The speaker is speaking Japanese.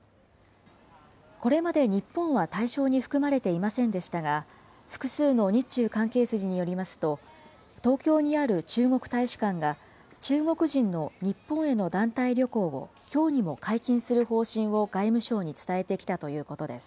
これまで日本は対象に含まれていませんでしたが、複数の日中関係筋によりますと、東京にある中国大使館が、中国人の日本への団体旅行を、きょうにも解禁する方針を外務省に伝えてきたということです。